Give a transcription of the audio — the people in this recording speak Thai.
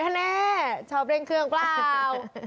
ฮะแน่ชอบเร่งเครื่องกล้าว